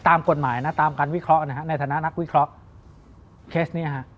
ตามกฎหมายนะตามการวิเคราะห์นะฮะในฐานะนักวิเคราะห์เคสเนี้ยฮะ